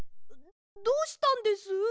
どうしたんです？